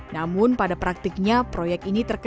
namun pada praktiknya proyek ini tidak akan berhasil